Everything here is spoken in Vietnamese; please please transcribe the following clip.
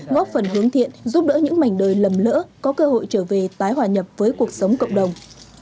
ngóc phần hướng thiện giúp đỡ những mảnh đời lầm lỡ có cơ hội trở về tái hòa nhập với cuộc sống cộng đồng